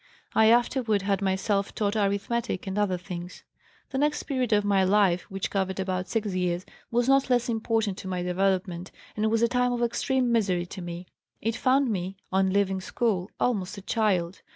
I afterward had myself taught arithmetic and other things. "The next period of my life which covered about six years was not less important to my development, and was a time of extreme misery to me. It found me, on leaving school, almost a child.